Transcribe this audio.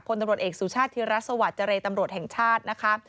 คนตำรวจเอกสู่ชาติธิรัฐสวรรค์จริงตำรวจแห่งชาตินะคะ